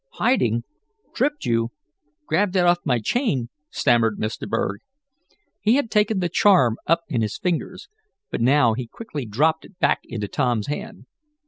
"Hiding? Tripped you? Grabbed that off my chain " stammered Mr. Berg. He had taken the charm up in his fingers, but now he quickly dropped it back into Tom's hand.